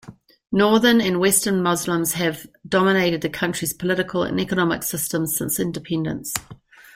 Northern and western Muslims have dominated the country's political and economic system since independence.